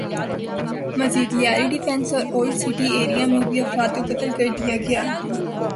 مزید لیاری ڈیفنس اور Old City area میں بھی افراد کو قتل کر دیا گیا